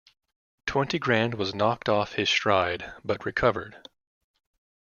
Twenty Grand was knocked off his stride but recovered.